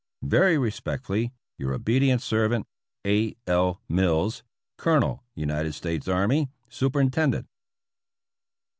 Very respectfully, Your obedient servant, A. L. Mills, Colonel United States Army, Superintendent.